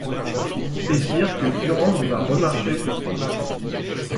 Et dire que Durande va remarcher!